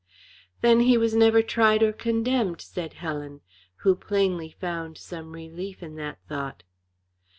"Then he was never tried or condemned," said Helen, who plainly found some relief in that thought.